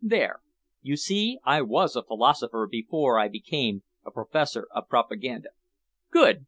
There! You see, I was a philosopher before I became a professor of propaganda. Good!